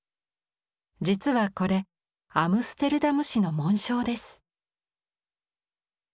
実はこれアムステルダム市の紋章です。